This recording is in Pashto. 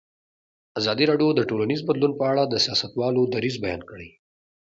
ازادي راډیو د ټولنیز بدلون په اړه د سیاستوالو دریځ بیان کړی.